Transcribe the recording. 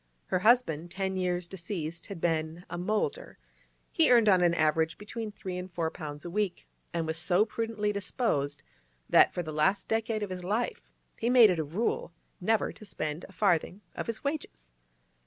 Her husband—ten years deceased—had been a 'moulder'; he earned on an average between three and four pounds a week, and was so prudently disposed that, for the last decade of his life, he made it a rule never to spend a farthing of his wages.